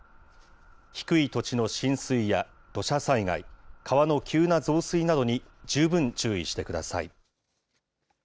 低い土地の浸水や土砂災害、川の急な増水などに十分注意してください。